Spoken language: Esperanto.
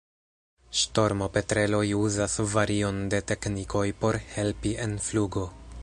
Ŝtormopetreloj uzas varion de teknikoj por helpi en flugo.